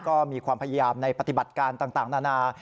ก็มีความพยายามในปฏิบัติการต่างนานา